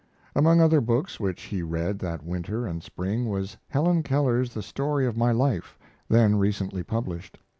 ] Among other books which he read that winter and spring was Helen Keller's 'The Story of My Life', then recently published.